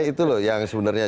itu loh yang sebenarnya